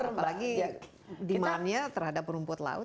apalagi demand nya terhadap rumput laut